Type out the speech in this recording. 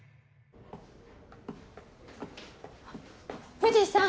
藤さん！